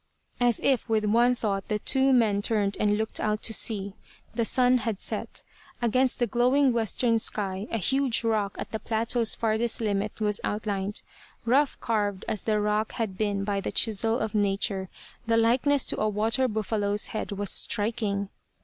As if with one thought the two men turned and looked out to sea. The sun had set. Against the glowing western sky a huge rock at the plateau's farthest limit was outlined. Rough carved as the rock had been by the chisel of nature, the likeness to a water buffalo's head was striking.